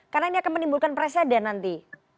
karena ini akan menimbulkan presiden nanti